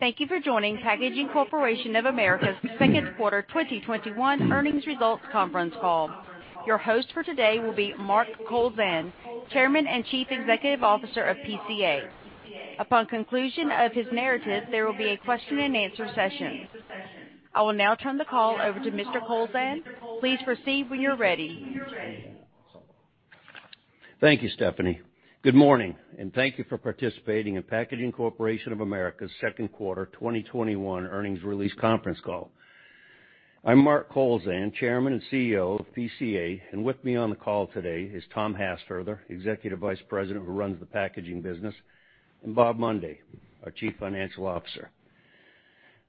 Thank you for joining Packaging Corporation of America's second quarter 2021 earnings results conference call. Your host for today will be Mark Kowlzan, Chairman and Chief Executive Officer of PCA. Upon conclusion of his narrative, there will be a question and answer session. I will now turn the call over to Mr. Kowlzan. Please proceed when you're ready. Thank you, Stephanie. Good morning, and thank you for participating in Packaging Corporation of America's second quarter 2021 earnings release conference call. I'm Mark Kowlzan, Chairman and CEO of PCA, and with me on the call today is Tom Hassfurther, Executive Vice President who runs the packaging business, and Bob Mundy, our Chief Financial Officer.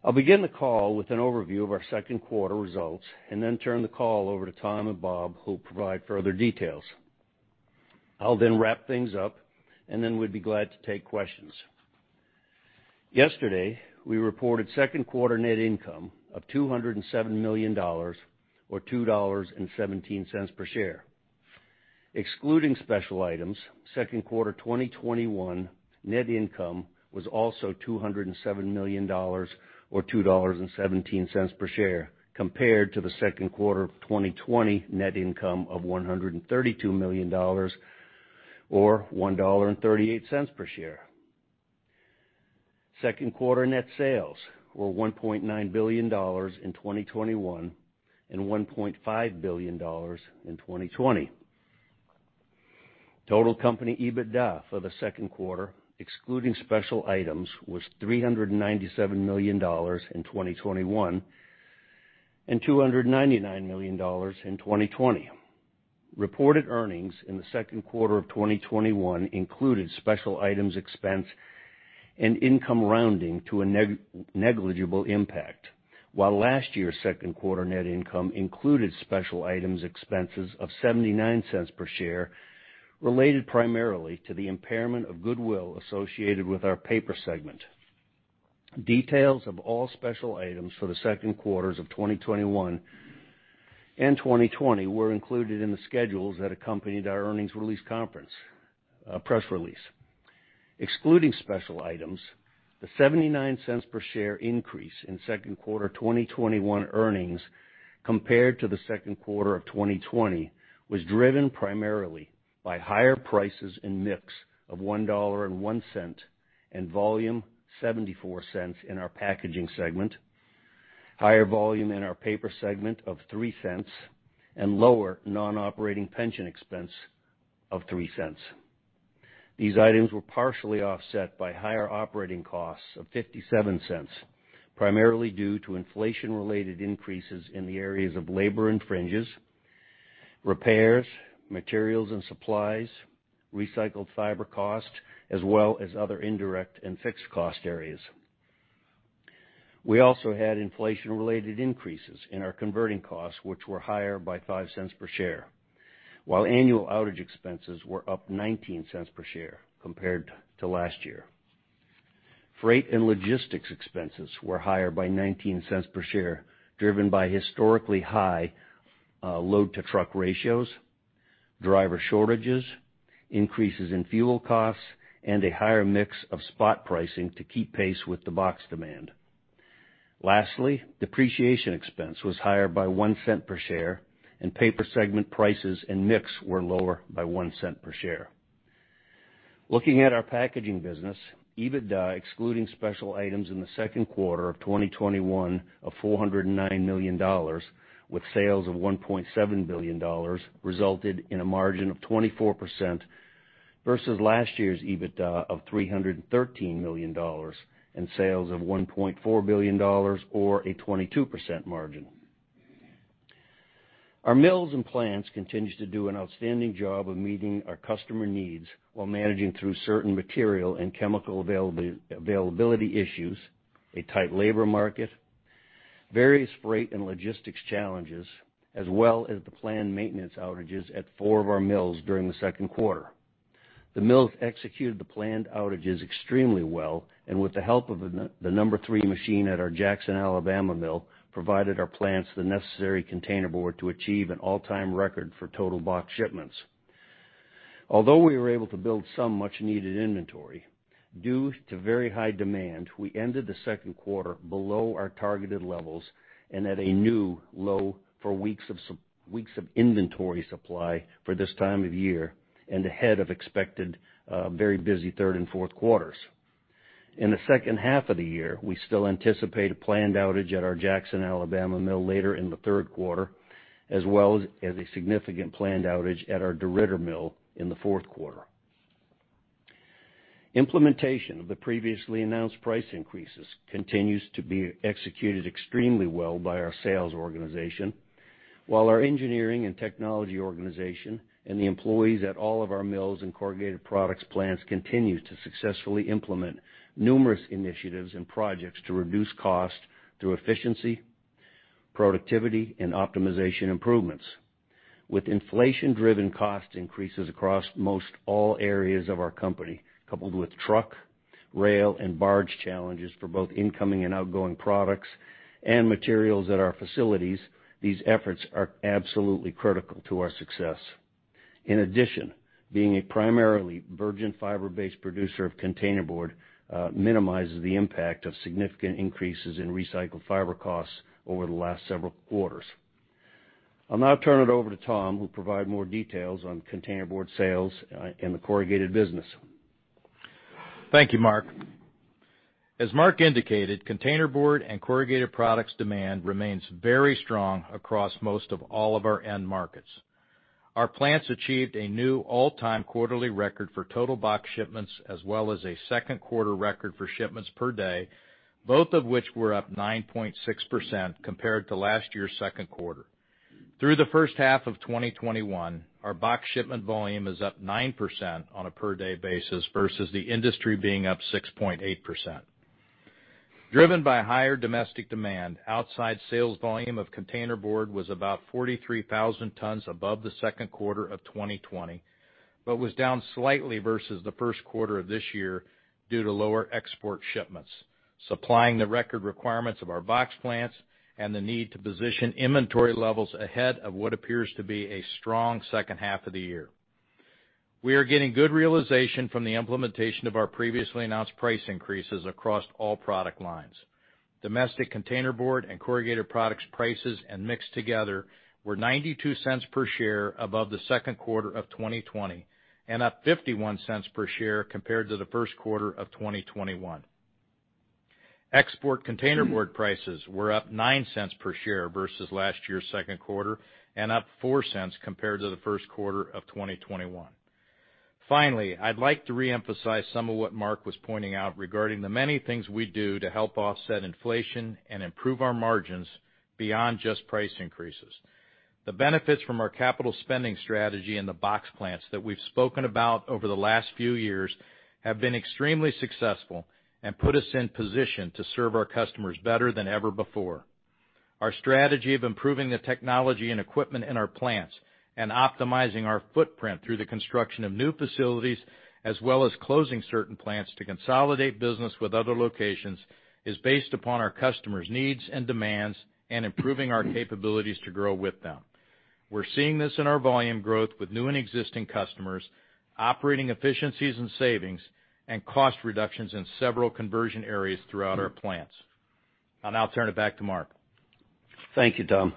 I'll begin the call with an overview of our second quarter results and then turn the call over to Tom and Bob, who'll provide further details. I'll then wrap things up, and then we'd be glad to take questions. Yesterday, we reported second quarter net income of $207 million, or $2.17 per share. Excluding special items, second quarter 2021 net income was also $207 million, or $2.17 per share, compared to the second quarter of 2020 net income of $132 million, or $1.38 per share. Second quarter net sales were $1.9 billion in 2021 and $1.5 billion in 2020. Total company EBITDA for the second quarter, excluding special items, was $397 million in 2021 and $299 million in 2020. Reported earnings in the second quarter of 2021 included special items expense and income rounding to a negligible impact. While last year's second quarter net income included special items expenses of $0.79 per share, related primarily to the impairment of goodwill associated with our paper segment. Details of all special items for the second quarters of 2021 and 2020 were included in the schedules that accompanied our earnings release conference press release. Excluding special items, the $0.79 per share increase in Q2 2021 earnings compared to Q2 2020 was driven primarily by higher prices and mix of $1.01 and volume $0.74 in our packaging segment, higher volume in our paper segment of $0.03, and lower non-operating pension expense of $0.03. These items were partially offset by higher operating costs of $0.57, primarily due to inflation-related increases in the areas of labor and fringes, repairs, materials and supplies, recycled fiber cost, as well as other indirect and fixed cost areas. We also had inflation-related increases in our converting costs, which were higher by $0.05 per share. While annual outage expenses were up $0.19 per share compared to last year. Freight and logistics expenses were higher by $0.19 per share, driven by historically high load-to-truck ratios, driver shortages, increases in fuel costs, and a higher mix of spot pricing to keep pace with the box demand. Lastly, depreciation expense was higher by $0.01 per share, and paper segment prices and mix were lower by $0.01 per share. Looking at our packaging business, EBITDA, excluding special items in the second quarter of 2021 of $409 million with sales of $1.7 billion, resulted in a margin of 24% versus last year's EBITDA of $313 million and sales of $1.4 billion, or a 22% margin. Our mills and plants continue to do an outstanding job of meeting our customer needs while managing through certain material and chemical availability issues, a tight labor market, various freight and logistics challenges, as well as the planned maintenance outages at four of our mills during the second quarter. The mills executed the planned outages extremely well, and with the help of the number 3 machine at our Jackson, Alabama mill, provided our plants the necessary containerboard to achieve an all-time record for total box shipments. Although we were able to build some much-needed inventory, due to very high demand, we ended the second quarter below our targeted levels and at a new low for weeks of inventory supply for this time of year and ahead of expected very busy third and fourth quarters. In the second half of the year, we still anticipate a planned outage at our Jackson, Alabama mill later in the third quarter, as well as a significant planned outage at our DeRidder mill in the fourth quarter. Implementation of the previously announced price increases continues to be executed extremely well by our sales organization, while our engineering and technology organization and the employees at all of our mills and corrugated products plants continue to successfully implement numerous initiatives and projects to reduce cost through efficiency, productivity, and optimization improvements. With inflation-driven cost increases across most all areas of our company, coupled with truck, rail, and barge challenges for both incoming and outgoing products and materials at our facilities, these efforts are absolutely critical to our success. In addition, being a primarily virgin fiber-based producer of containerboard minimizes the impact of significant increases in recycled fiber costs over the last several quarters. I'll now turn it over to Tom, who'll provide more details on containerboard sales in the corrugated business. Thank you, Mark. As Mark indicated, containerboard and corrugated products demand remains very strong across most of all of our end markets. Our plants achieved a new all-time quarterly record for total box shipments, as well as a second quarter record for shipments per day, both of which were up 9.6% compared to last year's second quarter. Through the first half of 2021, our box shipment volume is up 9% on a per day basis versus the industry being up 6.8%. Driven by higher domestic demand, outside sales volume of containerboard was about 43,000 tons above the second quarter of 2020, but was down slightly versus the first quarter of this year due to lower export shipments, supplying the record requirements of our box plants and the need to position inventory levels ahead of what appears to be a strong second half of the year. We are getting good realization from the implementation of our previously announced price increases across all product lines. Domestic containerboard and corrugated products prices and mix together were $0.92 per share above the second quarter of 2020, and up $0.51 per share compared to the first quarter of 2021. Export containerboard prices were up $0.09 per share versus last year's second quarter and up $0.04 compared to the first quarter of 2021. Finally, I'd like to reemphasize some of what Mark was pointing out regarding the many things we do to help offset inflation and improve our margins beyond just price increases. The benefits from our capital spending strategy in the box plants that we've spoken about over the last few years have been extremely successful and put us in position to serve our customers better than ever before. Our strategy of improving the technology and equipment in our plants and optimizing our footprint through the construction of new facilities, as well as closing certain plants to consolidate business with other locations, is based upon our customers' needs and demands and improving our capabilities to grow with them. We're seeing this in our volume growth with new and existing customers, operating efficiencies and savings, and cost reductions in several conversion areas throughout our plants. I'll now turn it back to Mark. Thank you, Tom.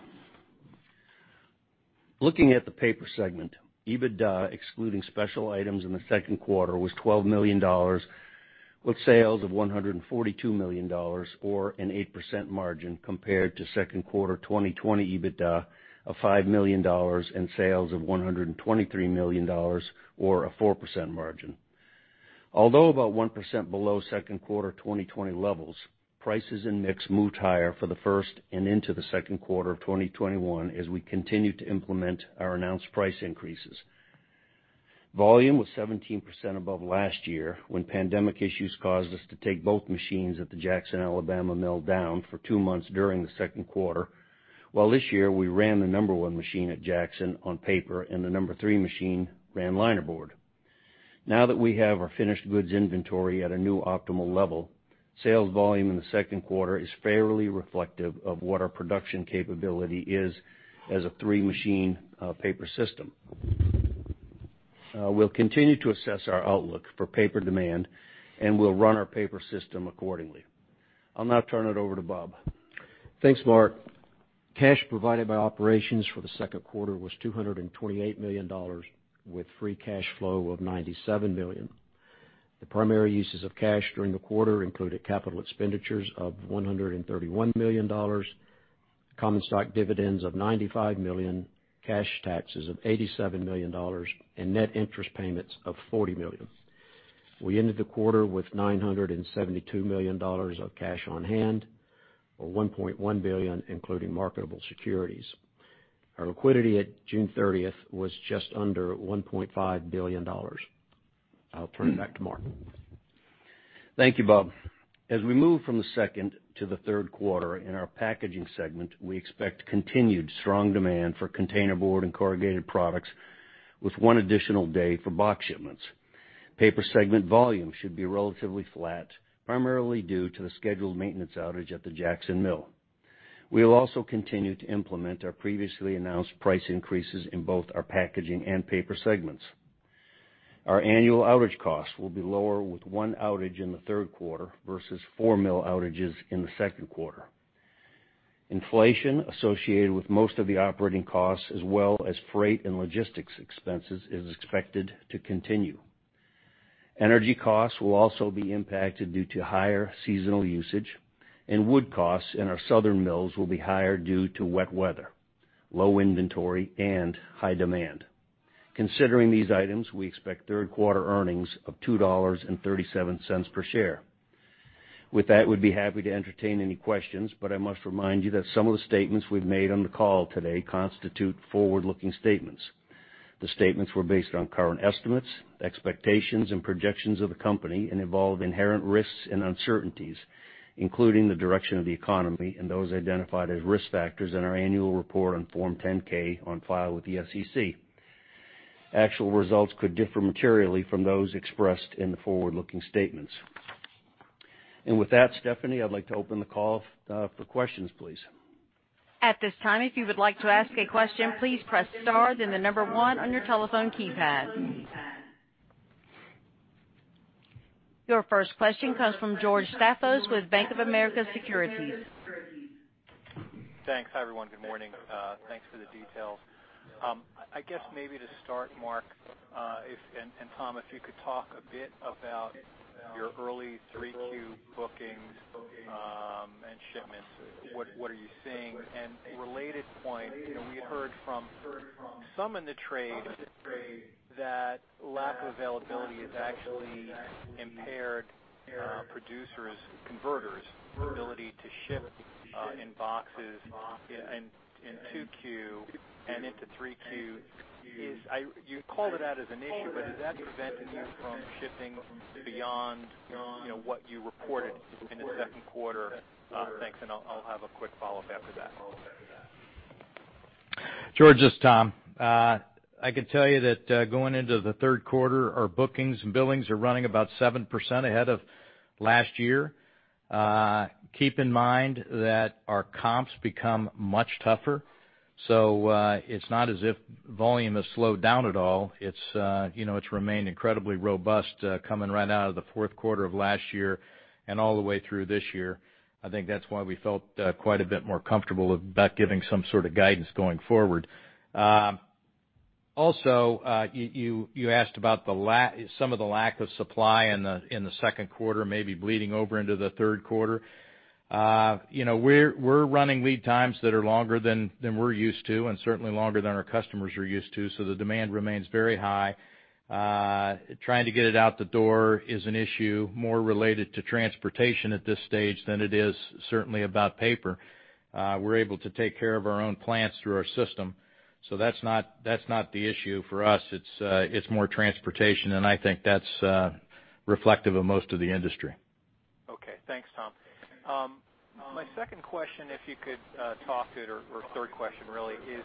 Looking at the Paper segment, EBITDA, excluding special items in the second quarter, was $12 million with sales of $142 million, or an 8% margin, compared to second quarter 2020 EBITDA of $5 million and sales of $123 million, or a 4% margin. Although about 1% below second quarter 2020 levels, prices and mix moved higher for the first and into the second quarter of 2021 as we continued to implement our announced price increases. Volume was 17% above last year, when pandemic issues caused us to take both machines at the Jackson, Alabama mill down for 2 months during the second quarter, while this year we ran the number 1 machine at Jackson on paper and the number 3 machine ran linerboard. Now that we have our finished goods inventory at a new optimal level, sales volume in the second quarter is fairly reflective of what our production capability is as a 3-machine paper system. We'll continue to assess our outlook for paper demand, and we'll run our paper system accordingly. I'll now turn it over to Bob Mundy. Thanks, Mark. Cash provided by operations for the second quarter was $228 million, with free cash flow of $97 million. The primary uses of cash during the quarter included capital expenditures of $131 million, common stock dividends of $95 million, cash taxes of $87 million, and net interest payments of $40 million. We ended the quarter with $972 million of cash on hand, or $1.1 billion, including marketable securities. Our liquidity at June 30th was just under $1.5 billion. I'll turn it back to Mark. Thank you, Bob. As we move from the second to the third quarter in our Packaging segment, we expect continued strong demand for containerboard and corrugated products with one additional day for box shipments. Paper segment volume should be relatively flat, primarily due to the scheduled maintenance outage at the Jackson mill. We will also continue to implement our previously announced price increases in both our Packaging and Paper segments. Our annual outage costs will be lower with one outage in the third quarter versus four mill outages in the second quarter. Inflation associated with most of the operating costs, as well as freight and logistics expenses, is expected to continue. Energy costs will also be impacted due to higher seasonal usage, and wood costs in our southern mills will be higher due to wet weather, low inventory, and high demand. Considering these items, we expect third quarter earnings of $2.37 per share. With that, we'd be happy to entertain any questions, but I must remind you that some of the statements we've made on the call today constitute forward-looking statements. The statements were based on current estimates, expectations, and projections of the company and involve inherent risks and uncertainties, including the direction of the economy and those identified as risk factors in our annual report on Form 10-K on file with the SEC. Actual results could differ materially from those expressed in the forward-looking statements. With that, Stephanie, I'd like to open the call for questions, please. At this time, if you would like to ask a question, please press star then the number one on your telephone keypad. Your first question comes from George Staphos with Bank of America Securities. Thanks. Hi, everyone. Good morning. Thanks for the details. I guess maybe to start, Mark, if, and Tom, if you could talk a bit about your early 3Q bookings, and shipments, what are you seeing? Related point, we heard from some in the trade that lack of availability has actually impaired producers', converters' ability to ship in boxes in 2Q and into 3Q. Has that prevented you from shipping beyond what you reported in the second quarter? Thanks, I'll have a quick follow-up after that. George, this is Tom. I can tell you that going into the third quarter, our bookings and billings are running about 7% ahead of last year. Keep in mind that our comps become much tougher, so it's not as if volume has slowed down at all. It's remained incredibly robust, coming right out of the fourth quarter of last year and all the way through this year. I think that's why we felt quite a bit more comfortable about giving some sort of guidance going forward. Also, you asked about some of the lack of supply in the second quarter maybe bleeding over into the third quarter. We're running lead times that are longer than we're used to and certainly longer than our customers are used to, so the demand remains very high. Trying to get it out the door is an issue more related to transportation at this stage than it is certainly about paper. We're able to take care of our own plants through our system. That's not the issue for us. It's more transportation, and I think that's reflective of most of the industry. Okay. Thanks, Tom. My second question, if you could talk to it, or third question really is,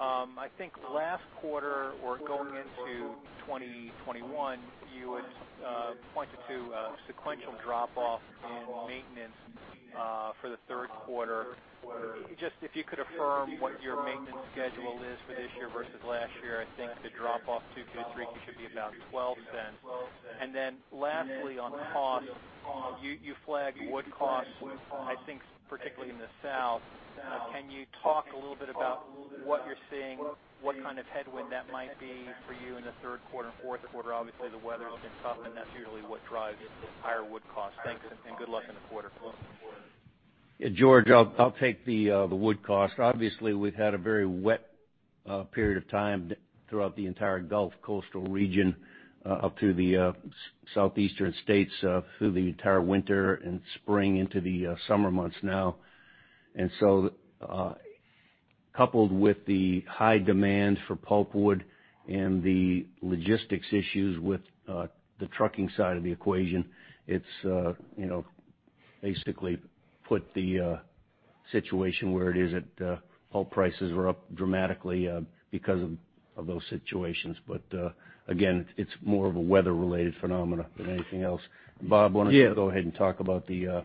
I think last quarter or going into 2021, you had pointed to a sequential drop-off in maintenance for the third quarter. Just if you could affirm what your maintenance schedule is for this year versus last year. I think the drop-off 2Q-3Q should be about $0.12. Lastly, on costs, you flagged wood costs, I think particularly in the south. Can you talk a little bit about what you're seeing, what kind of headwind that might be for you in the third quarter and fourth quarter? Obviously, the weather's been tough, and that's usually what drives higher wood costs. Thanks, and good luck in the quarter. Yeah, George, I'll take the wood cost. Obviously, we've had a very wet period of time throughout the entire Gulf coastal region, up through the southeastern states through the entire winter and spring into the summer months now. Coupled with the high demand for pulpwood and the logistics issues with the trucking side of the equation, it's basically put the situation where it is at pulp prices are up dramatically because of those situations. It's more of a weather-related phenomena than anything else. Bob, why don't you- Yeah go ahead and talk about. Yeah,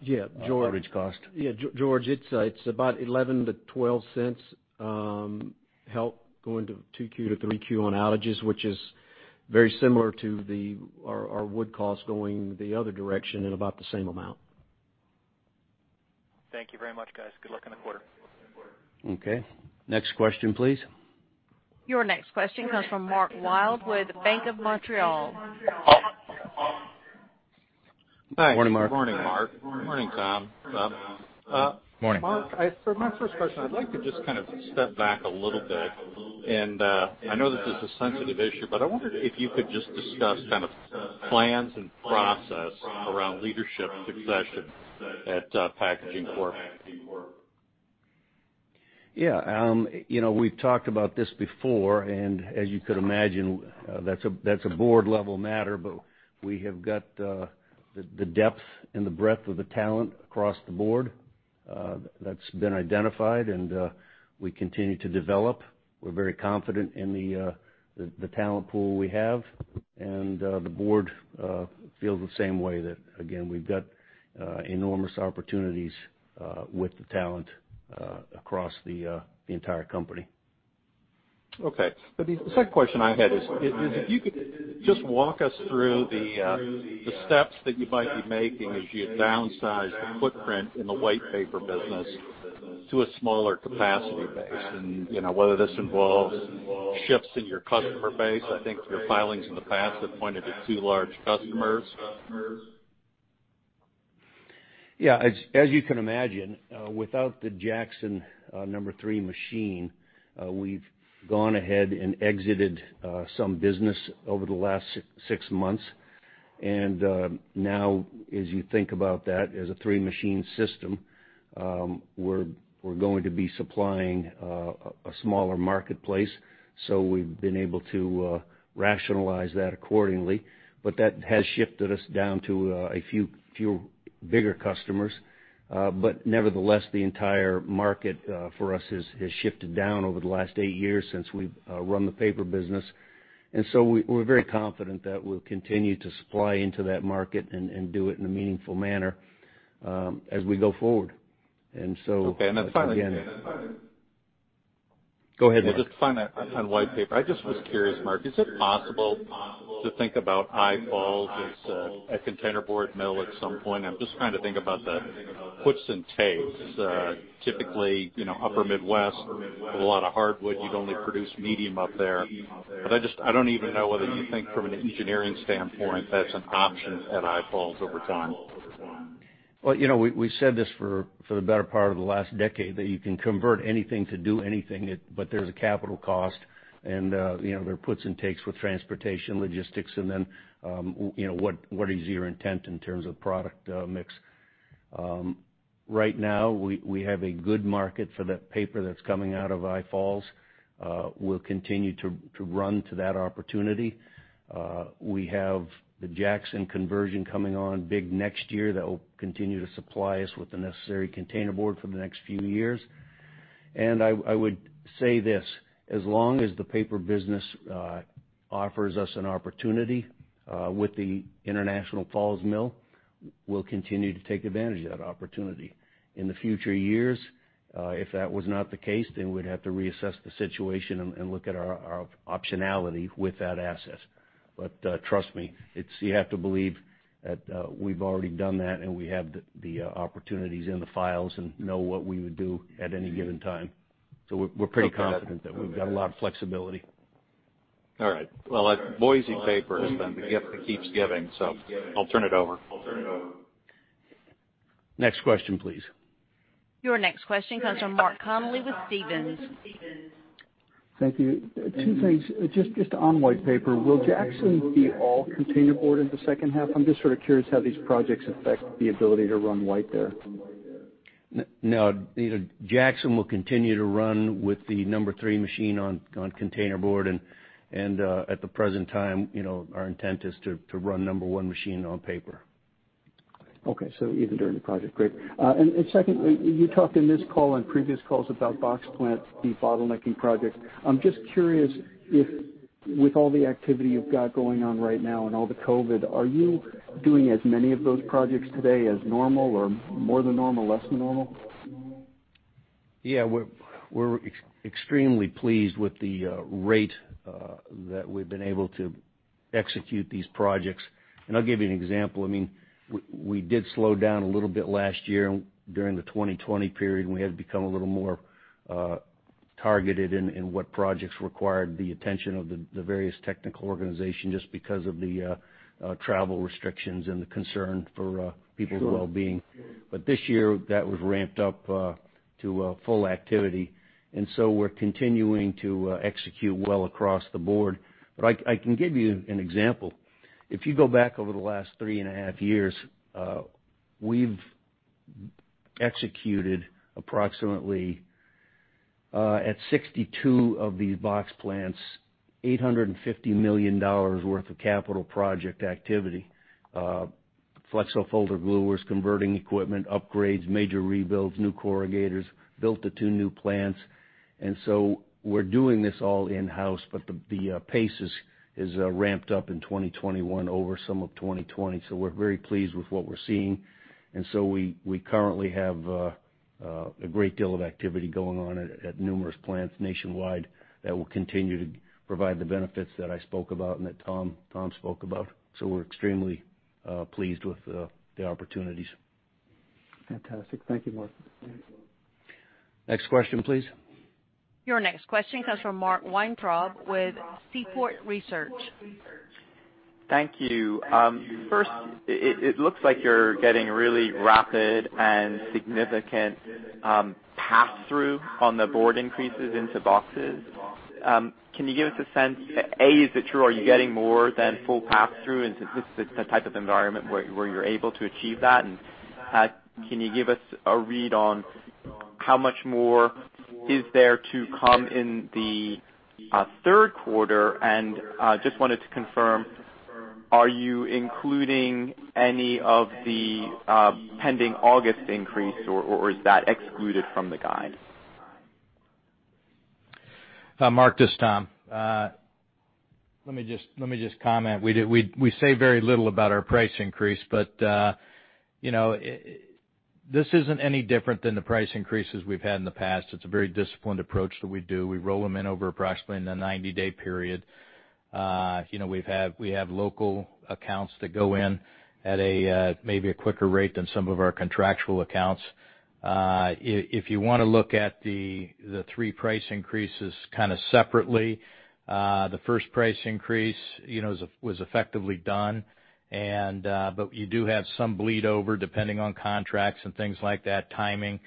George. average cost? Yeah, George, it's about $0.11-$0.12 help going to 2Q to 3Q on outages, which is very similar to our wood cost going the other direction in about the same amount. Thank you very much, guys. Good luck in the quarter. Okay. Next question, please. Your next question comes from Mark Wilde with Bank of Montreal. Morning, Mark. Morning, Mark. Morning, Tom. Morning. Mark, for my first question, I'd like to just kind of step back a little bit, and I know that this is a sensitive issue, but I wondered if you could just discuss kind of plans and process around leadership succession at Packaging Corp.? Yeah. We've talked about this before, and as you could imagine, that's a board-level matter, but we have got the depth and the breadth of the talent across the board that's been identified, and we continue to develop. We're very confident in the talent pool we have, and the board feels the same way, that, again, we've got enormous opportunities with the talent across the entire company. Okay. The second question I had is if you could just walk us through the steps that you might be making as you downsize the footprint in the white paper business to a smaller capacity base, and whether this involves shifts in your customer base. I think your filings in the past have pointed to 2 large customers. Yeah. As you can imagine, without the Jackson number three machine, we've gone ahead and exited some business over the last 6 months. Now as you think about that as a 3-machine system, we're going to be supplying a smaller marketplace. We've been able to rationalize that accordingly. That has shifted us down to a few bigger customers. Nevertheless, the entire market for us has shifted down over the last 8 years since we've run the paper business. We're very confident that we'll continue to supply into that market and do it in a meaningful manner as we go forward. Okay. Finally. Go ahead, Mark. On uncoated freesheet paper. I just was curious, Mark, is it possible to think about International Falls as a containerboard mill at some point? I'm just trying to think about the puts and takes. Typically, upper Midwest with a lot of hardwood, you'd only produce medium up there. I don't even know whether you think from an engineering standpoint, that's an option at International Falls over time. Well, we said this for the better part of the last decade, that you can convert anything to do anything, but there's a capital cost, and there are puts and takes with transportation, logistics, and then, what is your intent in terms of product mix? Right now, we have a good market for that paper that's coming out of International Falls. We'll continue to run to that opportunity. We have the Jackson conversion coming on big next year that will continue to supply us with the necessary containerboard for the next few years. I would say this: As long as the paper business offers us an opportunity with the International Falls mill, we'll continue to take advantage of that opportunity. In the future years, if that was not the case, then we'd have to reassess the situation and look at our optionality with that asset. Trust me, you have to believe that we've already done that, and we have the opportunities in the files and know what we would do at any given time. We're pretty confident that we've got a lot of flexibility. All right. Well, Boise Paper has been the gift that keeps giving, so I'll turn it over. Next question, please. Your next question comes from Mark Connelly with Stephens. Thank you. Two things. Just on white paper, will Jackson be all containerboard in the second half? I'm just sort of curious how these projects affect the ability to run white there. No. Jackson will continue to run with the number 3 machine on containerboard, at the present time, our intent is to run number 1 machine on paper. Okay. Even during the project. Great. Secondly, you talked in this call and previous calls about box plants, the bottlenecking projects. I'm just curious if with all the activity you've got going on right now and all the COVID, are you doing as many of those projects today as normal or more than normal, less than normal? Yeah, we're extremely pleased with the rate that we've been able to execute these projects. I'll give you an example. We did slow down a little bit last year during the 2020 period, and we had to become a little more targeted in what projects required the attention of the various technical organization, just because of the travel restrictions and the concern for people's wellbeing. Sure. This year, that was ramped up to full activity, and so we're continuing to execute well across the board. I can give you an example. If you go back over the last three and a half years, we've executed approximately at 62 of these box plants, $850 million worth of capital project activity. Flexo folder gluers, converting equipment, upgrades, major rebuilds, new corrugators, built the two new plants. We're doing this all in-house, but the pace is ramped up in 2021 over some of 2020. We're very pleased with what we're seeing, and so we currently have a great deal of activity going on at numerous plants nationwide that will continue to provide the benefits that I spoke about and that Tom spoke about. We're extremely pleased with the opportunities. Fantastic. Thank you, Mark. Next question, please. Your next question comes from Mark Weintraub with Seaport Research. Thank you. First, it looks like you're getting really rapid and significant pass-through on the board increases into boxes. Can you give us a sense, A, is it true? Are you getting more than full pass-through? Is this the type of environment where you're able to achieve that? Can you give us a read on how much more is there to come in the third quarter? Just wanted to confirm, are you including any of the pending August increase, or is that excluded from the guide? Mark, this is Tom. Let me just comment. This isn't any different than the price increases we've had in the past. It's a very disciplined approach that we do. We roll them in over approximately in a 90-day period. We have local accounts that go in at maybe a quicker rate than some of our contractual accounts. If you want to look at the 3 price increases kind of separately, the first price increase was effectively done. You do have some bleed over, depending on contracts and things like that, timing,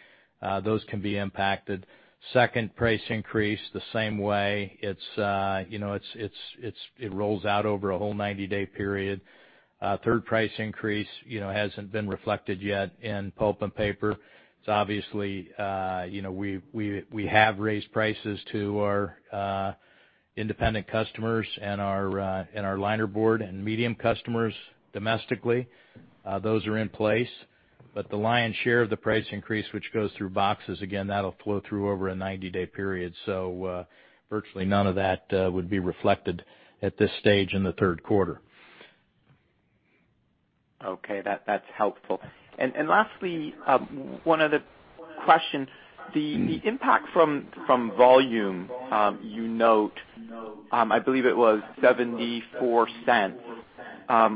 those can be impacted. Second price increase, the same way. It rolls out over a whole 90-day period. Third price increase hasn't been reflected yet in pulp and paper. Obviously, we have raised prices to our independent customers and our linerboard and medium customers domestically. Those are in place. The lion's share of the price increase, which goes through boxes, again, that'll flow through over a 90-day period. Virtually none of that would be reflected at this stage in the third quarter. Okay, that's helpful. Lastly, one other question. The impact from volume you note, I believe it was $0.74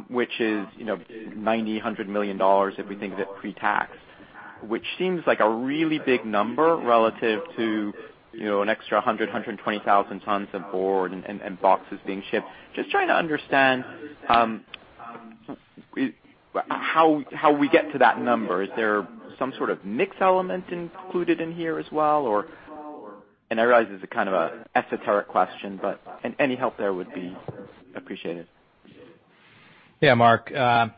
which is $90 million-$100 million if we think of it pre-tax. Which seems like a really big number relative to an extra 100,000-120,000 tons of board and boxes being shipped. Just trying to understand how we get to that number. Is there some sort of mix element included in here as well, or? I realize this is a kind of a esoteric question, but any help there would be appreciated. Yeah, Mark. For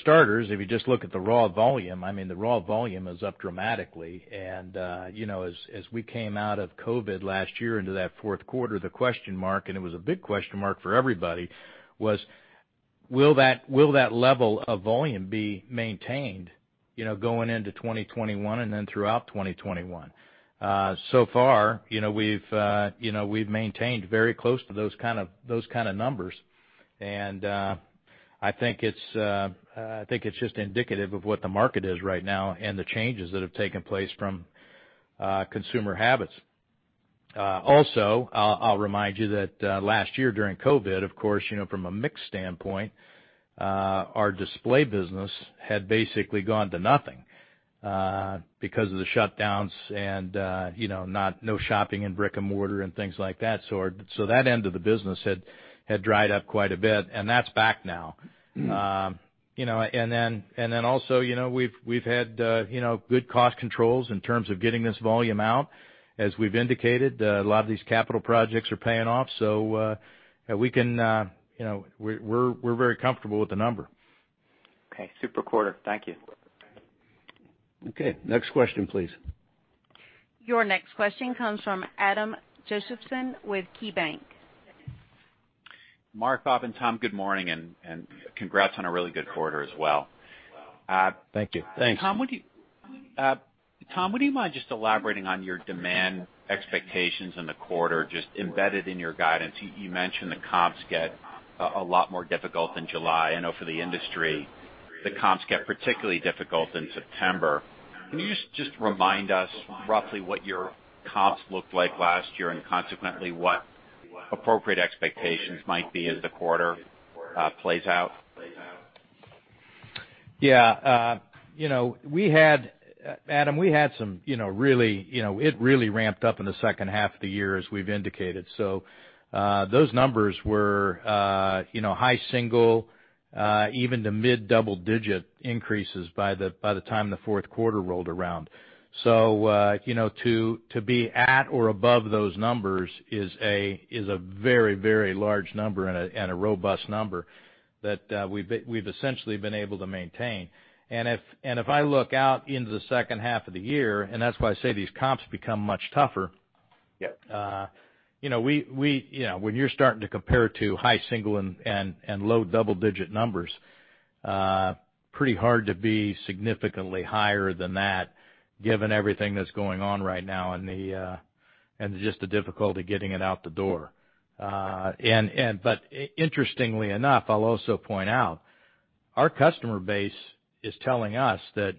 starters, if you just look at the raw volume, the raw volume is up dramatically. As we came out of COVID last year into that 4th quarter, the question mark, and it was a big question mark for everybody, was will that level of volume be maintained going into 2021 and then throughout 2021? So far, we've maintained very close to those kind of numbers. I think it's just indicative of what the market is right now and the changes that have taken place from consumer habits. Also, I'll remind you that last year during COVID, of course, from a mix standpoint, our display business had basically gone to nothing because of the shutdowns and no shopping in brick and mortar and things like that. That end of the business had dried up quite a bit, and that's back now. Then also, we've had good cost controls in terms of getting this volume out. As we've indicated, a lot of these capital projects are paying off. We're very comfortable with the number. Okay. Super quarter. Thank you. Okay, next question, please. Your next question comes from Adam Josephson with KeyBanc. Mark, Bob, and Tom, good morning, and congrats on a really good quarter as well. Thank you. Thanks. Tom, would you mind just elaborating on your demand expectations in the quarter, just embedded in your guidance? You mentioned the comps get a lot more difficult in July. I know for the industry, the comps get particularly difficult in September. Can you just remind us roughly what your comps looked like last year and consequently what appropriate expectations might be as the quarter plays out? Yeah. Adam, it really ramped up in the second half of the year, as we've indicated. Those numbers were high single, even to mid double-digit increases by the time the fourth quarter rolled around. To be at or above those numbers is a very large number and a robust number that we've essentially been able to maintain. If I look out into the second half of the year, and that's why I say these comps become much tougher. Yep. When you're starting to compare to high single and low double-digit numbers, pretty hard to be significantly higher than that given everything that's going on right now and just the difficulty getting it out the door. Interestingly enough, I'll also point out, our customer base is telling us that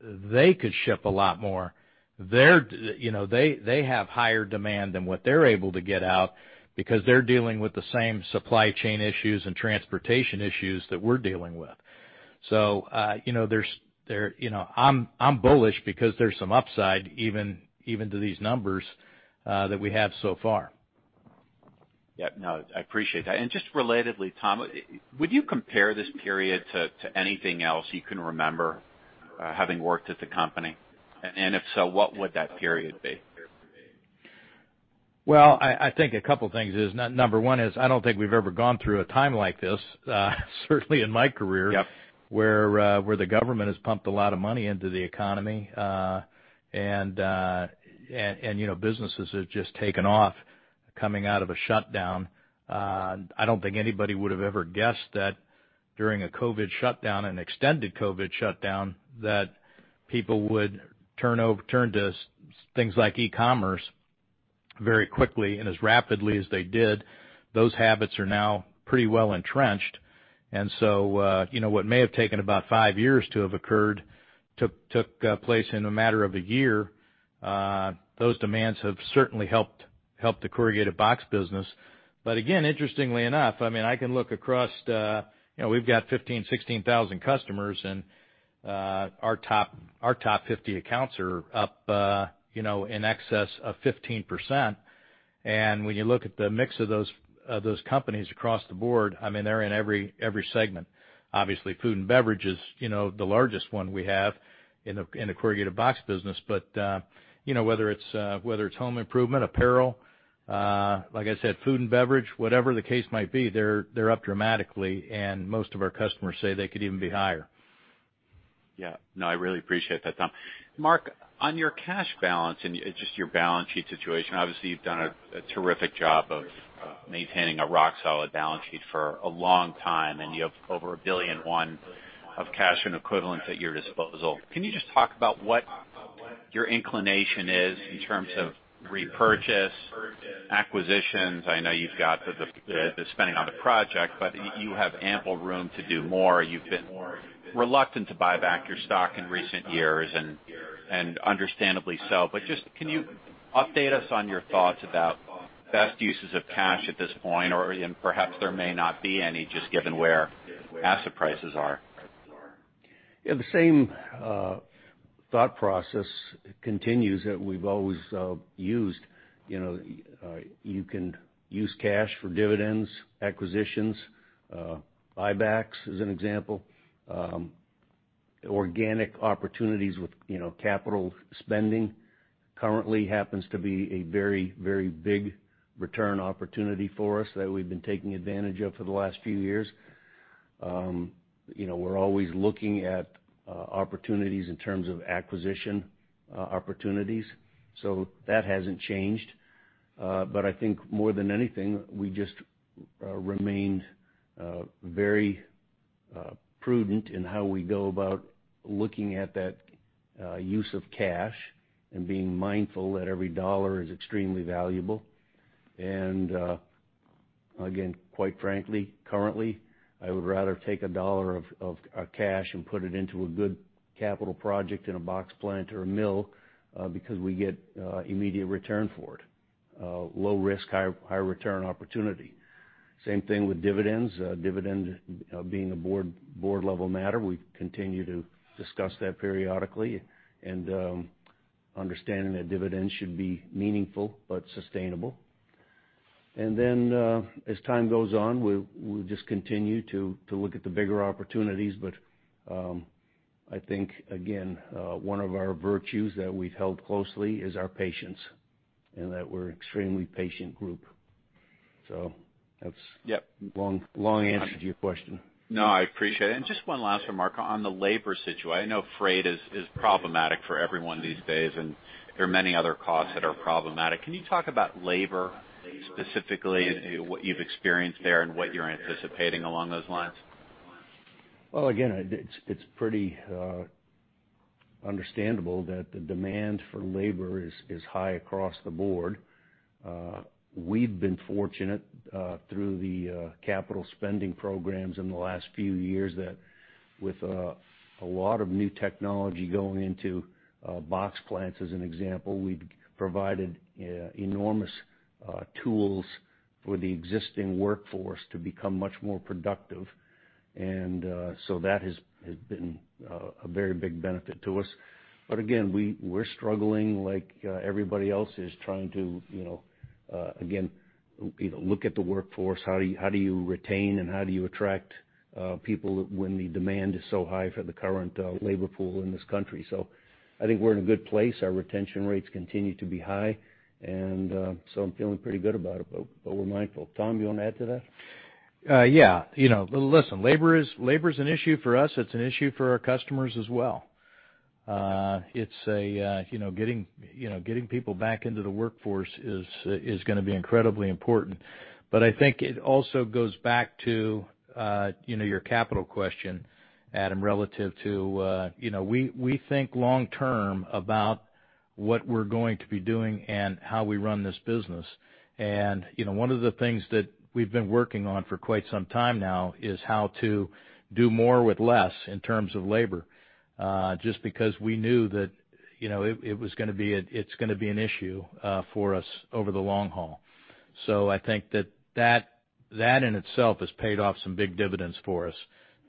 they could ship a lot more. They have higher demand than what they're able to get out because they're dealing with the same supply chain issues and transportation issues that we're dealing with. I'm bullish because there's some upside even to these numbers that we have so far. Yeah. No, I appreciate that. Just relatedly, Tom, would you compare this period to anything else you can remember having worked at the company? If so, what would that period be? I think a couple things is, number one is I don't think we've ever gone through a time like this, certainly in my career. Yep where the government has pumped a lot of money into the economy. Businesses have just taken off coming out of a shutdown. I don't think anybody would have ever guessed that during an extended COVID shutdown, that people would turn to things like e-commerce very quickly and as rapidly as they did. Those habits are now pretty well entrenched. What may have taken about 5 years to have occurred, took place in a matter of a year. Those demands have certainly helped the corrugated box business. Again, interestingly enough, I can look across, we've got 15,000, 16,000 customers, and our top 50 accounts are up in excess of 15%. When you look at the mix of those companies across the board, they're in every segment. Obviously, food and beverage is the largest one we have in the corrugated box business. Whether it's home improvement, apparel, like I said, food and beverage, whatever the case might be, they're up dramatically, and most of our customers say they could even be higher. Yeah. No, I really appreciate that, Tom. Mark, on your cash balance and just your balance sheet situation, obviously, you've done a terrific job of maintaining a rock-solid balance sheet for a long time, and you have over $1.1 billion of cash and equivalents at your disposal. Can you just talk about what your inclination is in terms of repurchase, acquisitions. I know you've got the spending on the project, but you have ample room to do more. You've been reluctant to buy back your stock in recent years, and understandably so. Just can you update us on your thoughts about best uses of cash at this point? Perhaps there may not be any, just given where asset prices are. Yeah. The same thought process continues that we've always used. You can use cash for dividends, acquisitions, buybacks, as an example. Organic opportunities with capital spending currently happens to be a very big return opportunity for us that we've been taking advantage of for the last few years. We're always looking at opportunities in terms of acquisition opportunities. That hasn't changed. I think more than anything, we just remained very prudent in how we go about looking at that use of cash and being mindful that every dollar is extremely valuable. Again, quite frankly, currently, I would rather take a dollar of cash and put it into a good capital project in a box plant or a mill, because we get immediate return for it, low risk, high return opportunity. Same thing with dividends, dividend being a board-level matter. We continue to discuss that periodically and understanding that dividends should be meaningful but sustainable. As time goes on, we'll just continue to look at the bigger opportunities. I think, again, one of our virtues that we've held closely is our patience, in that we're extremely patient group. Yep long answer to your question. No, I appreciate it. Just one last remark on the labor situation. I know freight is problematic for everyone these days, and there are many other costs that are problematic. Can you talk about labor, specifically, what you've experienced there and what you're anticipating along those lines? Well, again, it's pretty understandable that the demand for labor is high across the board. We've been fortunate, through the capital spending programs in the last few years, that with a lot of new technology going into box plants, as an example, we've provided enormous tools for the existing workforce to become much more productive. That has been a very big benefit to us. Again, we're struggling like everybody else is, trying to, again, look at the workforce. How do you retain and how do you attract people when the demand is so high for the current labor pool in this country? I think we're in a good place. Our retention rates continue to be high. I'm feeling pretty good about it. We're mindful. Tom, you want to add to that? Yeah. Listen, labor is an issue for us. It's an issue for our customers as well. Getting people back into the workforce is going to be incredibly important. I think it also goes back to your capital question, Adam, relative to we think long term about what we're going to be doing and how we run this business. One of the things that we've been working on for quite some time now is how to do more with less in terms of labor, just because we knew that it's going to be an issue for us over the long haul. I think that that in itself has paid off some big dividends for us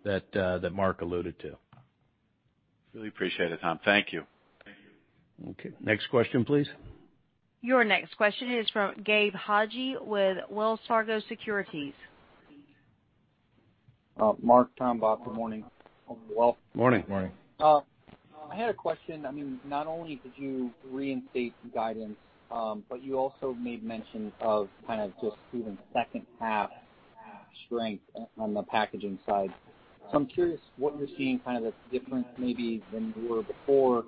that Mark alluded to. Really appreciate it, Tom. Thank you. Okay. Next question, please. Your next question is from Gabe Hajde with Wells Fargo Securities. Mark, Tom, Bob, good morning. Morning. Morning. I had a question. Not only did you reinstate guidance, but you also made mention of kind of just even second half strength on the packaging side. I'm curious what you're seeing, kind of the difference maybe than you were before,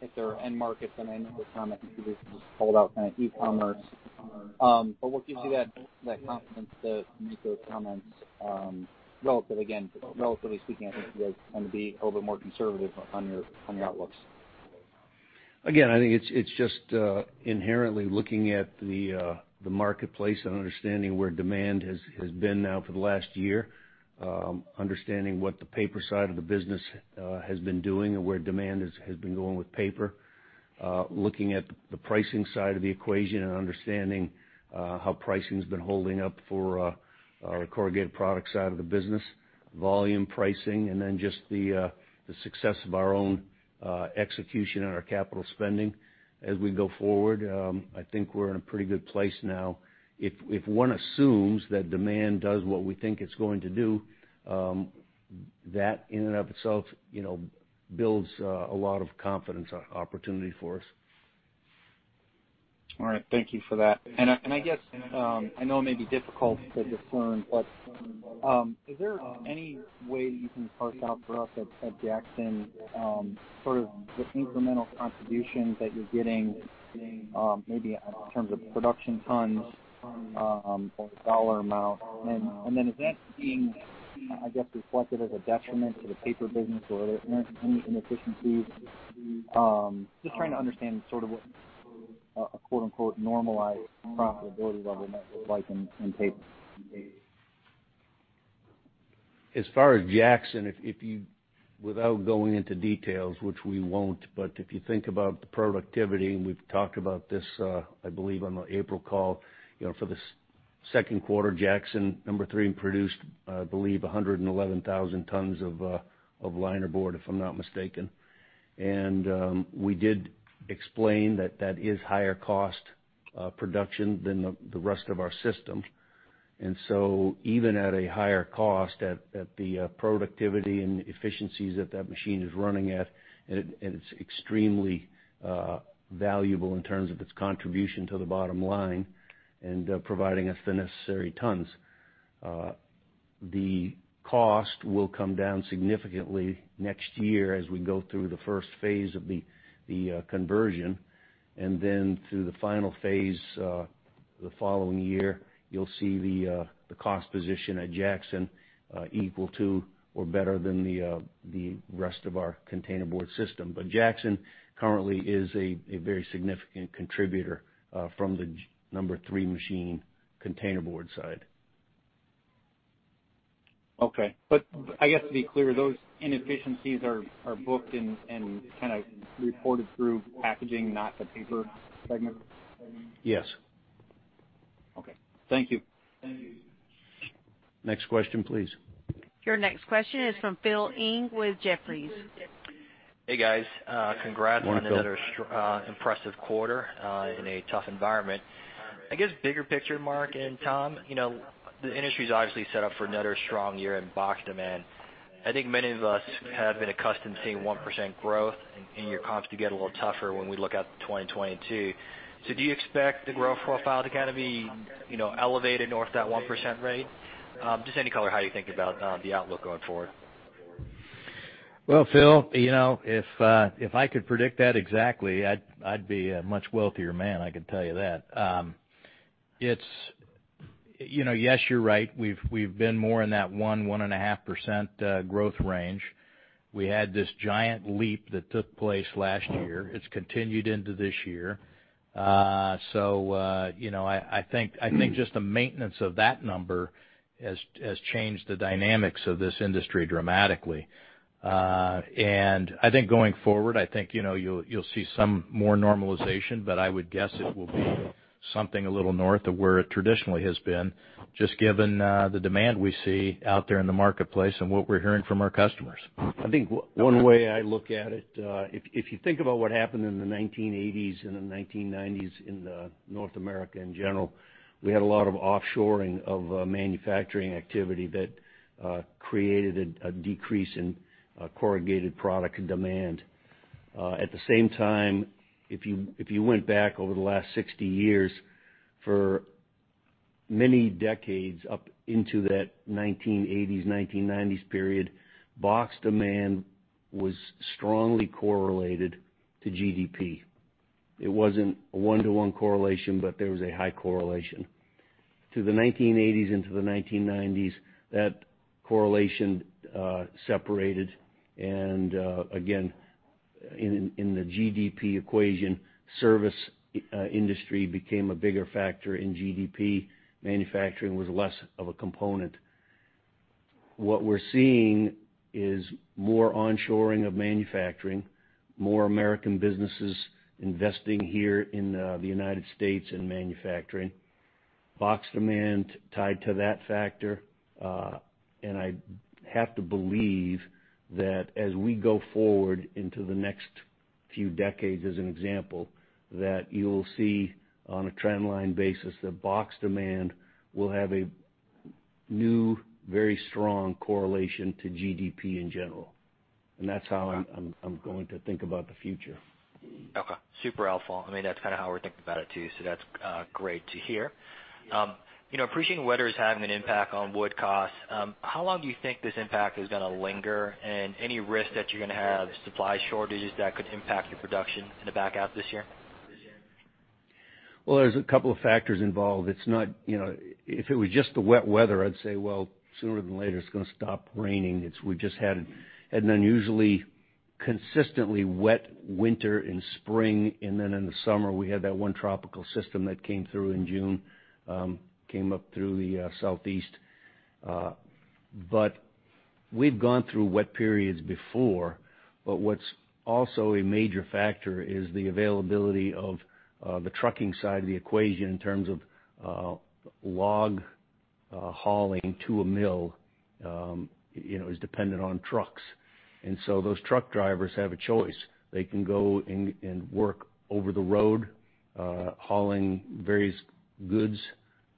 if there are end markets, and I know, Tom, I think you just called out kind of e-commerce. What gives you that confidence to make those comments relative, again, relatively speaking, I think you guys tend to be a little bit more conservative on your outlooks. I think it's just inherently looking at the marketplace and understanding where demand has been now for the last year. Understanding what the paper side of the business has been doing and where demand has been going with paper. Looking at the pricing side of the equation and understanding how pricing's been holding up for our corrugated products side of the business, volume pricing, just the success of our own execution on our capital spending as we go forward. I think we're in a pretty good place now. If one assumes that demand does what we think it's going to do, that in and of itself builds a lot of confidence opportunity for us. All right. Thank you for that. I guess, I know it may be difficult to discern, but is there any way you can parse out for us at Jackson, sort of the incremental contribution that you're getting, maybe in terms of production tons or dollar amount? Then is that being, I guess, reflected as a detriment to the paper business or any inefficiencies? Just trying to understand sort of what A normalized profitability level might look like in Paper. As far as International Falls, without going into details, which we won't, if you think about the productivity, we've talked about this, I believe on the April call, for the second quarter, International Falls number 3 produced, I believe, 111,000 tons of linerboard, if I'm not mistaken. We did explain that that is higher cost production than the rest of our system. Even at a higher cost, at the productivity and efficiencies that that machine is running at, and it's extremely valuable in terms of its contribution to the bottom line and providing us the necessary tons. The cost will come down significantly next year as we go through the first phase of the conversion, and then through the final phase the following year, you'll see the cost position at Jackson equal to or better than the rest of our containerboard system. Jackson currently is a very significant contributor from the number 3 machine containerboard side. Okay. I guess to be clear, those inefficiencies are booked and kind of reported through Packaging, not the Paper segment? Yes. Okay. Thank you. Next question, please. Your next question is from Philip Ng with Jefferies. Hey, guys. Morning, Philip. on another impressive quarter in a tough environment. I guess, bigger picture, Mark and Tom, the industry's obviously set up for another strong year in box demand. I think many of us have been accustomed to seeing 1% growth in your comps to get a little tougher when we look out to 2022. Do you expect the growth profile to kind of be elevated north of that 1% rate? Just any color how you think about the outlook going forward? Well, Phil, if I could predict that exactly, I'd be a much wealthier man, I can tell you that. Yes, you're right. We've been more in that 1-1.5% growth range. We had this giant leap that took place last year. It's continued into this year. I think just the maintenance of that number has changed the dynamics of this industry dramatically. I think going forward, I think you'll see some more normalization, but I would guess it will be something a little north of where it traditionally has been, just given the demand we see out there in the marketplace and what we're hearing from our customers. I think one way I look at it, if you think about what happened in the 1980s and the 1990s in North America in general, we had a lot of offshoring of manufacturing activity that created a decrease in corrugated product demand. At the same time, if you went back over the last 60 years, for many decades up into that 1980s, 1990s period, box demand was strongly correlated to GDP. It wasn't a one-to-one correlation, but there was a high correlation. To the 1980s into the 1990s, that correlation separated, and again, in the GDP equation, service industry became a bigger factor in GDP. Manufacturing was less of a component. What we're seeing is more onshoring of manufacturing, more American businesses investing here in the United States in manufacturing. Box demand tied to that factor. I have to believe that as we go forward into the next few decades, as an example, that you'll see on a trend line basis that box demand will have a new, very strong correlation to GDP in general. That's how I'm going to think about the future. Okay. Super helpful. That's kind of how we're thinking about it too, so that's great to hear. Appreciating weather is having an impact on wood cost. How long do you think this impact is going to linger, and any risk that you're going to have supply shortages that could impact your production in the back half this year? Well, there's a couple of factors involved. If it was just the wet weather, I'd say, well, sooner than later, it's going to stop raining. We just had an unusually consistently wet winter and spring, and then in the summer, we had that 1 tropical system that came through in June, came up through the Southeast. We've gone through wet periods before, but what's also a major factor is the availability of the trucking side of the equation in terms of log hauling to a mill is dependent on trucks. Those truck drivers have a choice. They can go and work over the road hauling various goods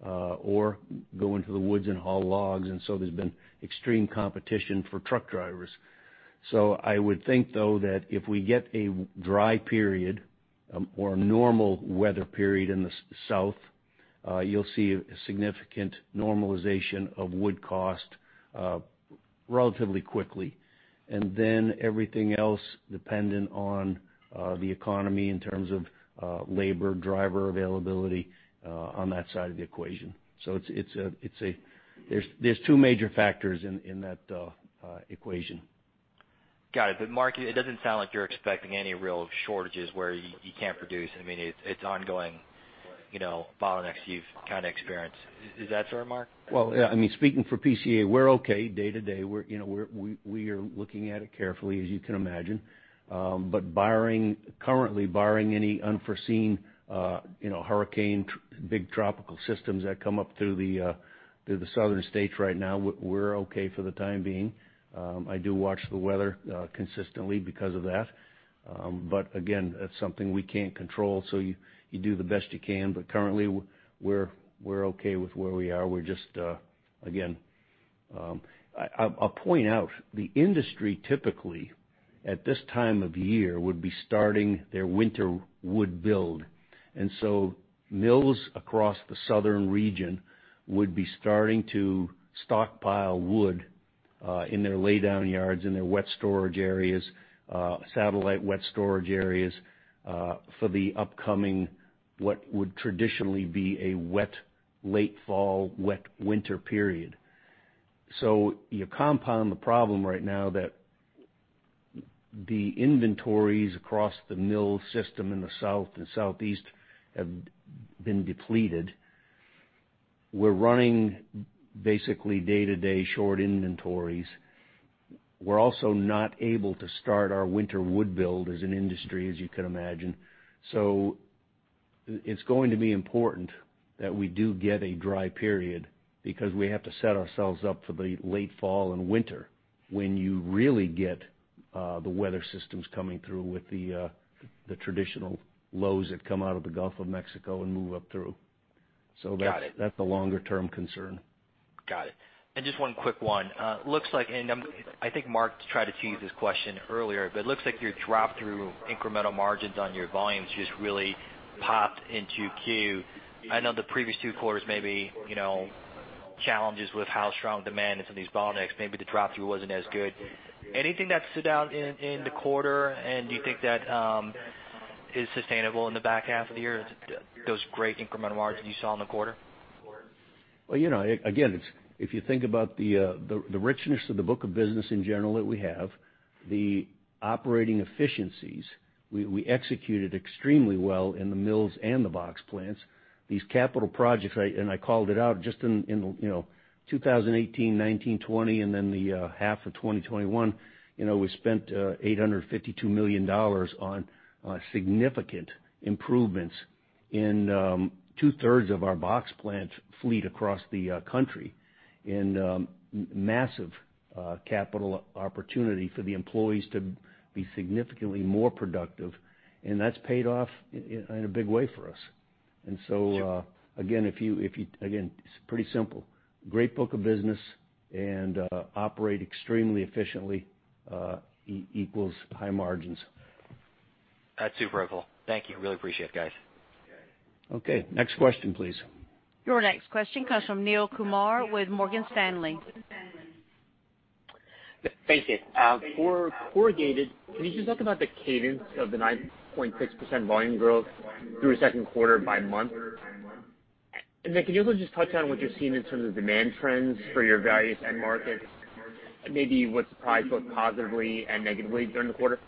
or go into the woods and haul logs, and so there's been extreme competition for truck drivers. I would think, though, that if we get a dry period or a normal weather period in the South, you'll see a significant normalization of wood cost relatively quickly. Everything else dependent on the economy in terms of labor, driver availability on that side of the equation. There's two major factors in that equation. Got it. Mark, it doesn't sound like you're expecting any real shortages where you can't produce. It's ongoing bottlenecks you've kind of experienced. Is that so, Mark? Well, yeah. Speaking for PCA, we're okay day to day. We are looking at it carefully, as you can imagine. Currently barring any unforeseen hurricane, big tropical systems that come up through the southern states right now, we're okay for the time being. I do watch the weather consistently because of that. Again, that's something we can't control, you do the best you can. Currently we're okay with where we are. I'll point out, the industry, typically, at this time of year, would be starting their winter wood build. Mills across the southern region would be starting to stockpile wood in their laydown yards, in their wet storage areas, satellite wet storage areas, for the upcoming, what would traditionally be a wet late fall, wet winter period. You compound the problem right now that the inventories across the mill system in the South and Southeast have been depleted. We're running basically day-to-day short inventories. We're also not able to start our winter wood build as an industry, as you can imagine. It's going to be important that we do get a dry period because we have to set ourselves up for the late fall and winter when you really get the weather systems coming through with the traditional lows that come out of the Gulf of Mexico and move up through. Got it. That's the longer-term concern. Got it. Just one quick one. I think Mark tried to tee this question earlier, it looks like your drop-through incremental margins on your volumes just really popped in Q2. I know the previous two quarters may be challenges with how strong demand is on these bottlenecks. Maybe the drop-through wasn't as good. Anything that stood out in the quarter, do you think that is sustainable in the back half of the year, those great incremental margins you saw in the quarter? Again, if you think about the richness of the book of business in general that we have, the operating efficiencies we executed extremely well in the mills and the box plants. These capital projects, I called it out just in 2018, 2019, 2020, and then the half of 2021, we spent $852 million on significant improvements in two-thirds of our box plant fleet across the country, and massive capital opportunity for the employees to be significantly more productive. That's paid off in a big way for us. Again, it's pretty simple. Great book of business and operate extremely efficiently equals high margins. That's super helpful. Thank you. Really appreciate it, guys. Okay. Next question, please. Your next question comes from Neel Kumar with Morgan Stanley. Thanks. For corrugated, can you just talk about the cadence of the 9.6% volume growth through the second quarter by month? Can you also just touch on what you're seeing in terms of demand trends for your various end markets? Maybe what surprised both positively and negatively during the quarter?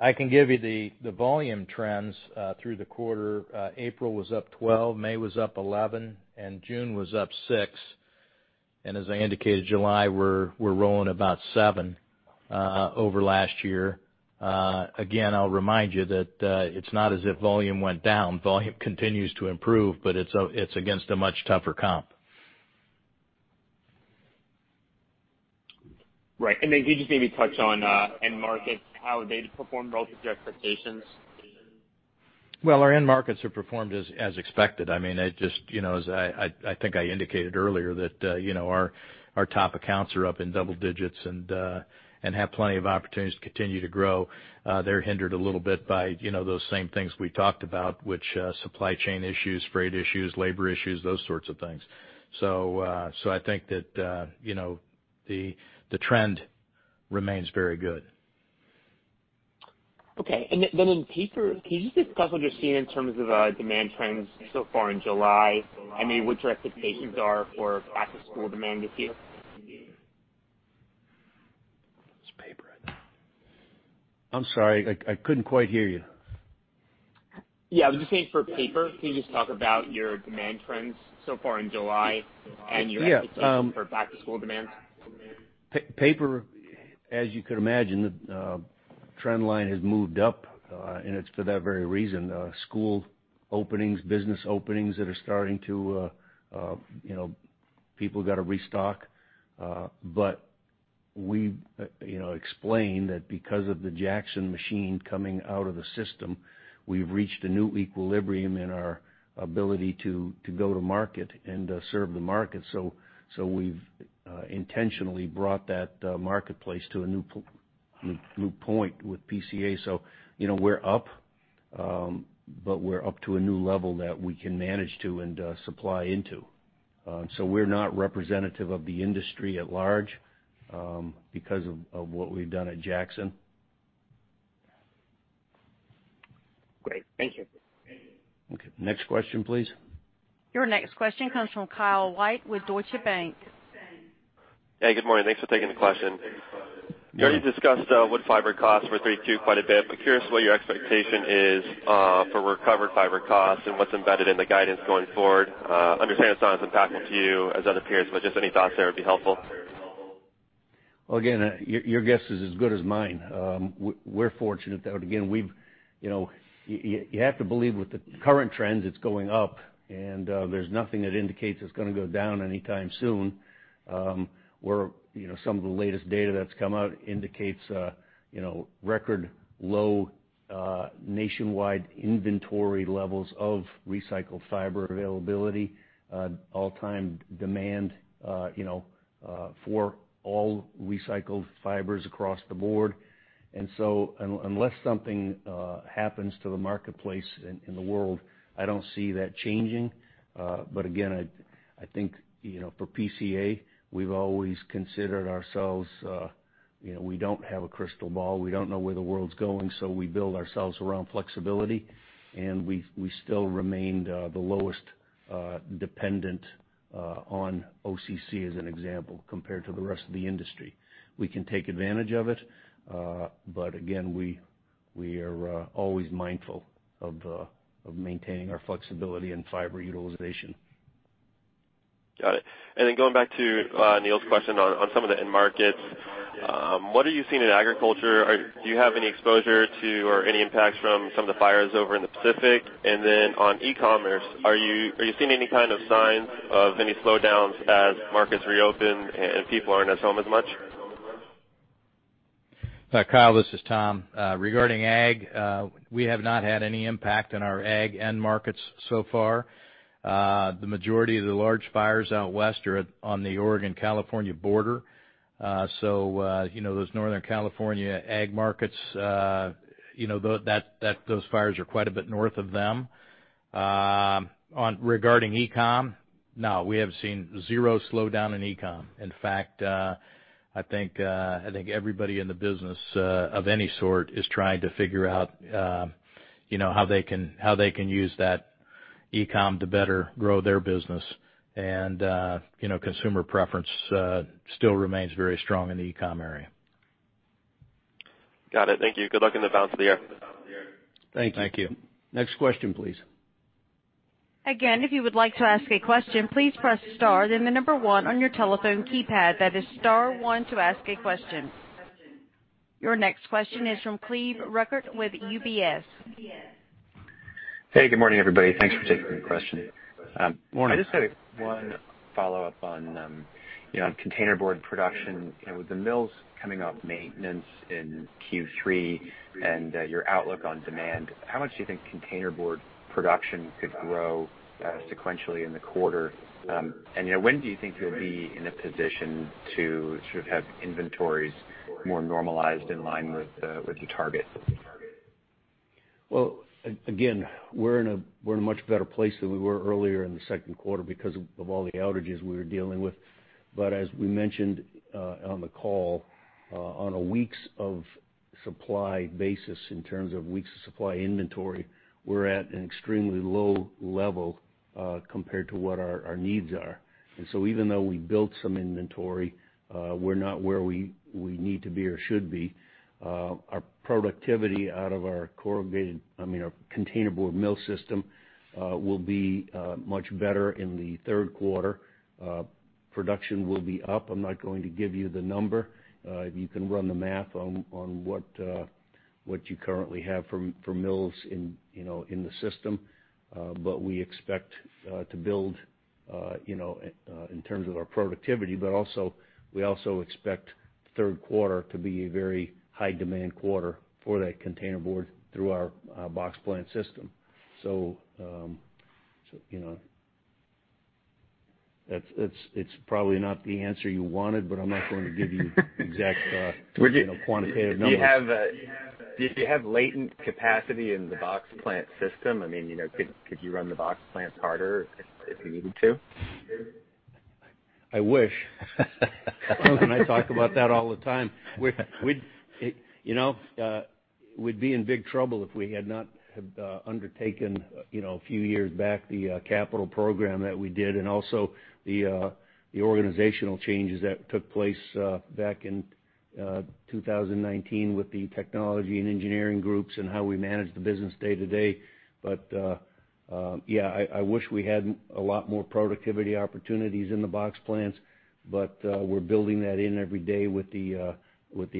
I can give you the volume trends through the quarter. April was up 12, May was up 11, and June was up 6. As I indicated, July, we're rolling about 7 over last year. Again, I'll remind you that it's not as if volume went down. Volume continues to improve, but it's against a much tougher comp. Right. Can you just maybe touch on end markets, how they performed relative to your expectations? Well, our end markets have performed as expected. As I think I indicated earlier that our top accounts are up in double digits and have plenty of opportunities to continue to grow. They're hindered a little bit by those same things we talked about, which are supply chain issues, freight issues, labor issues, those sorts of things. I think that the trend remains very good. Okay. In paper, can you just discuss what you're seeing in terms of demand trends so far in July? What your expectations are for back-to-school demand this year? It's paper. I'm sorry, I couldn't quite hear you. Yeah. I'm just saying for paper, can you just talk about your demand trends so far in July and your expectations- Yeah for back-to-school demand? Paper, as you can imagine, the trend line has moved up, and it's for that very reason. School openings, business openings. People got to restock. We explained that because of the Jackson machine coming out of the system, we've reached a new equilibrium in our ability to go to market and serve the market. We've intentionally brought that marketplace to a new point with PCA. We're up, but we're up to a new level that we can manage to and supply into. We're not representative of the industry at large because of what we've done at Jackson. Thank you. Okay. Next question, please. Your next question comes from Kyle White with Deutsche Bank. Hey, good morning. Thanks for taking the question. You already discussed wood fiber costs for Q3 quite a bit, but curious what your expectation is for recovered fiber costs and what's embedded in the guidance going forward. I understand it's not as impactful to you as other peers, but just any thoughts there would be helpful. Well, again, your guess is as good as mine. We're fortunate though, again, you have to believe with the current trends, it's going up, and there's nothing that indicates it's going to go down anytime soon. Some of the latest data that's come out indicates record low nationwide inventory levels of recycled fiber availability, all-time demand for all recycled fibers across the board. Unless something happens to the marketplace in the world, I don't see that changing. Again, I think for PCA, we've always considered ourselves. We don't have a crystal ball. We don't know where the world's going, we build ourselves around flexibility, we still remained the lowest dependent on OCC, as an example, compared to the rest of the industry. We can take advantage of it. Again, we are always mindful of maintaining our flexibility and fiber utilization. Got it. Going back to Neel's question on some of the end markets. What are you seeing in agriculture? Do you have any exposure to, or any impacts from some of the fires over in the Pacific? On e-commerce, are you seeing any kind of signs of any slowdowns as markets reopen, and people aren't at home as much? Kyle, this is Tom. Regarding ag, we have not had any impact on our ag end markets so far. The majority of the large fires out west are on the Oregon-California border. Those Northern California ag markets, those fires are quite a bit north of them. Regarding e-com, no, we have seen zero slowdown in e-com. In fact, I think everybody in the business of any sort is trying to figure out how they can use that e-com to better grow their business. Consumer preference still remains very strong in the e-com area. Got it. Thank you. Good luck in the balance of the year. Thank you. Thank you. Next question, please. Your next question is from Cleve Rueckert with UBS. Hey, good morning, everybody. Thanks for taking the question. Morning. I just have one follow-up on containerboard production. With the mills coming off maintenance in Q3 and your outlook on demand, how much do you think containerboard production could grow sequentially in the quarter? When do you think you'll be in a position to have inventories more normalized in line with the targets? Well, again, we're in a much better place than we were earlier in the second quarter because of all the outages we were dealing with. As we mentioned on the call, on a weeks of supply basis, in terms of weeks of supply inventory, we're at an extremely low level compared to what our needs are. Even though we built some inventory, we're not where we need to be or should be. Our productivity out of our corrugated, our containerboard mill system will be much better in the third quarter. Production will be up. I'm not going to give you the number. You can run the math on what you currently have for mills in the system. We expect to build in terms of our productivity, but we also expect the third quarter to be a very high-demand quarter for that containerboard through our box plant system. It's probably not the answer you wanted, but I'm not going to give you quantitative numbers. Do you have latent capacity in the box plant system? Could you run the box plants harder if you needed to? I wish. Cleve and I talk about that all the time. We'd be in big trouble if we had not undertaken a few years back the capital program that we did, and also the organizational changes that took place back in 2019 with the technology and engineering groups and how we manage the business day to day. Yeah, I wish we had a lot more productivity opportunities in the box plants, but we're building that in every day with the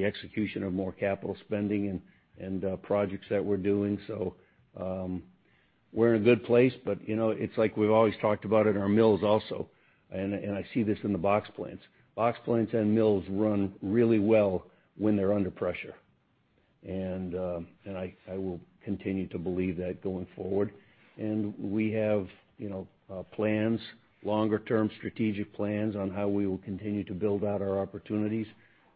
execution of more capital spending and projects that we're doing. We're in a good place, but it's like we've always talked about at our mills also, and I see this in the box plants. Box plants and mills run really well when they're under pressure. I will continue to believe that going forward. We have plans, longer-term strategic plans on how we will continue to build out our opportunities,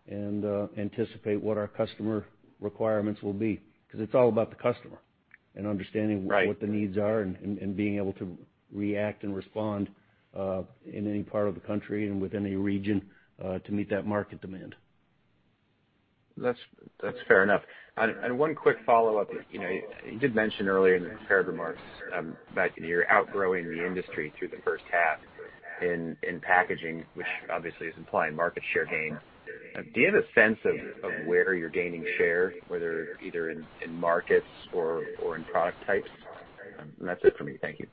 and anticipate what our customer requirements will be. It's all about the customer. Right what the needs are and being able to react and respond in any part of the country and within any region to meet that market demand. That's fair enough. One quick follow-up. You did mention earlier in the prepared remarks that you're outgrowing the industry through the first half in packaging, which obviously is implying market share gains. Do you have a sense of where you're gaining share, whether either in markets or in product types? That's it for me. Thank you.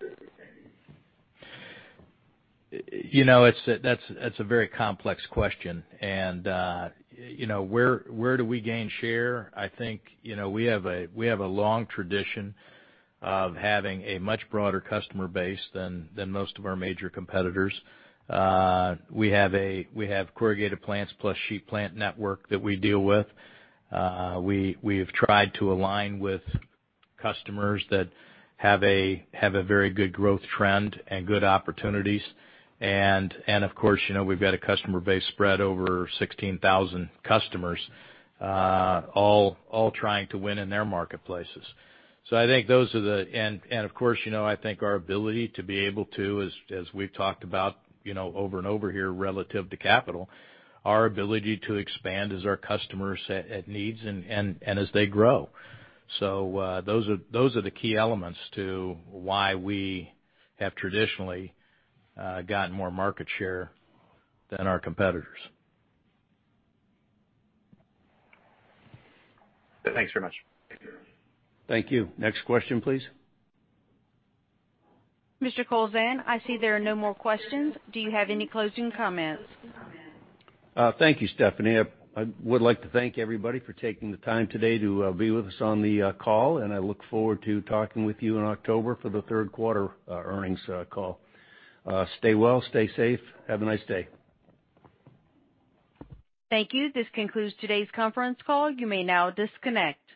That's a very complex question. Where do we gain share? I think we have a long tradition of having a much broader customer base than most of our major competitors. We have corrugated plants plus sheet plant network that we deal with. We have tried to align with customers that have a very good growth trend and good opportunities. Of course, we've got a customer base spread over 16,000 customers, all trying to win in their marketplaces. Of course, I think our ability to be able to, as we've talked about over and over here relative to capital, our ability to expand as our customers needs and as they grow. Those are the key elements to why we have traditionally gotten more market share than our competitors. Thanks very much. Thank you. Next question, please. Mr. Kowlzan, I see there are no more questions. Do you have any closing comments? Thank you, Stephanie. I would like to thank everybody for taking the time today to be with us on the call, and I look forward to talking with you in October for the third quarter earnings call. Stay well, stay safe. Have a nice day. Thank you. This concludes today's conference call. You may now disconnect.